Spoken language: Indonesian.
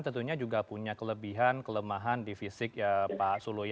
tentunya juga punya kelebihan kelemahan di fisik ya pak suloyo